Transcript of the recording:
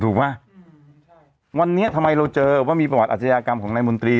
ถูกไหมวันนี้ทำไมเราเจอว่ามีประวัติอาชญากรรมของนายมนตรี